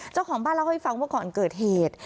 เจ้าของบ้านเล่าให้ฟังว่าก่อนเกิดเหตุ